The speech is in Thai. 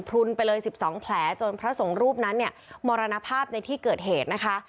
รุนไปเลย๑๒แผลจนพระสงฆ์รูปนั้นเนี่ยมรณภาพในที่เกิดเหตุนะคะ